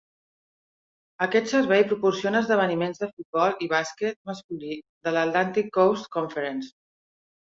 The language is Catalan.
Aquest servei proporciona esdeveniments de futbol i bàsquet masculí de l'Atlantic Coast Conference.